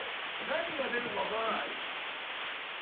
何が出るか分からない？